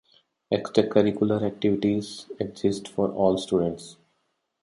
Extracurricular activities exist for all students.